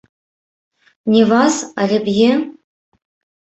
Не вас, але б'е?